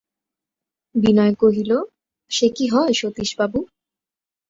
বিনয় কহিল, সে কি হয় সতীশবাবু?